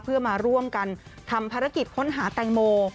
เพื่อมาร่วมกันทำภารกิจค้นหาแตงโม